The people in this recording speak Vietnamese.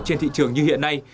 trên thị trường như hiện nay